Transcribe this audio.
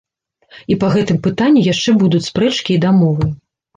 І па гэтым пытанні яшчэ будуць спрэчкі і дамовы.